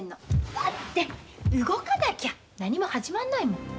だって動かなきゃ何も始まんないもん。